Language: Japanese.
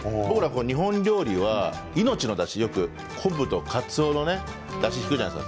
日本料理は命のだし、よく昆布と、かつおのだしを引くじゃないですか。